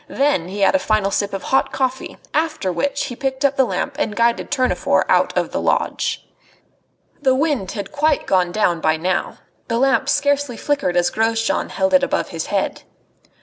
Then he had a final sip of hot coffee; after which he picked up the lamp and guided Tournefort out of the lodge. The wind had quite gone down by now. The lamp scarcely flickered as Grosjean held it above his head.